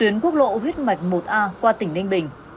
tuyến quốc lộ huyết mạch một a qua tỉnh ninh bình